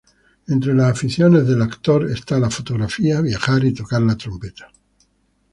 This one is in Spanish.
Entre las aficiones de el actor está la fotografía, viajar y tocar la trompeta.